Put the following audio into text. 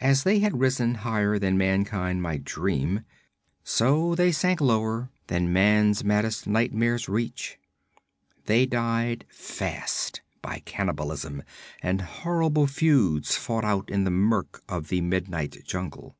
As they had risen higher than mankind might dream, so they sank lower than man's maddest nightmares reach. They died fast, by cannibalism, and horrible feuds fought out in the murk of the midnight jungle.